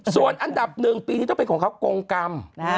ส่วนอันดับหนึ่งปีนี้ต้องเป็นของเขากงกรรม